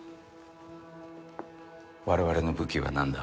我々の武器は何だ？